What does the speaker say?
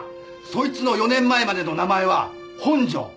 そいつの４年前までの名前は本庄。